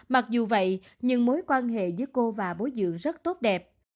mặc dù vậy nhưng mối quan hệ giữa cô và bố dưỡng rất tốt đẹp